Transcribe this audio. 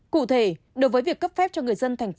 cụ thể đối với việc cấp phép cho người dân